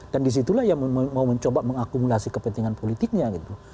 dan disitulah ya mau mencoba mengakumulasi kepentingan politiknya gitu